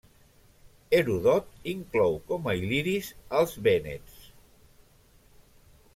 Heròdot inclou com a il·liris els vènets.